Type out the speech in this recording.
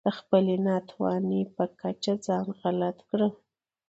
د خپلې ناتوانۍ په کچه ځان غلط کړو.